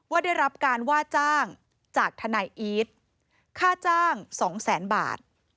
ได้รับการว่าจ้างจากทนายอีทค่าจ้างสองแสนบาท